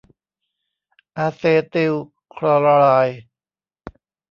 อาเซติลคลอไรด์